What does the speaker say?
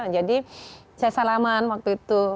jadi saya salaman waktu itu